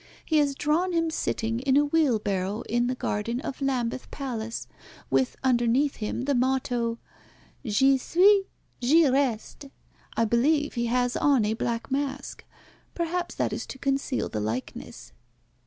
He has drawn him sitting in a wheelbarrow in the gardens of Lambeth Palace, with underneath him the motto, 'J'y suis, j'y reste.' I believe he has on a black mask. Perhaps that is to conceal the likeness."